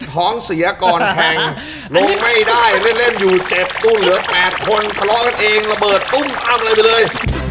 ท้องเสียก่อนแทงลงไม่ได้เล่นอยู่เจ็บตู้เหลือ๘คนทะเลาะกันเองระเบิดตุ้มตั้มอะไรไปเลย